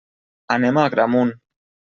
Anem a Agramunt.